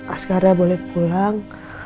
askara boleh pulang